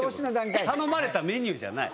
頼まれたメニューじゃない。